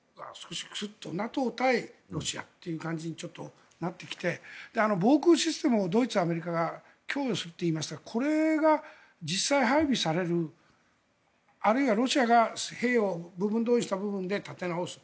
ＮＡＴＯ対ロシアという感じにちょっとなってきて防空システムをドイツ、アメリカが供与するといいましたがこれが実際、配備されるあるいはロシアが兵を部分動員した部分で立て直す